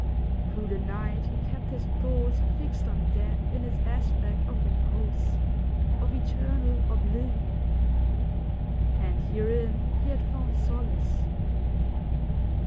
Through the night he kept his thoughts fixed on death in its aspect of repose, of eternal oblivion. And herein he had found solace.